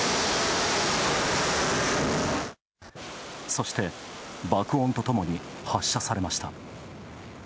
そして、爆音とともに発射されました。